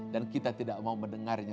dan kita tidak mau mendengarnya